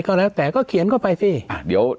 ก็แล้วแต่ก็เขียนเข้าไปสิเดี๋ยว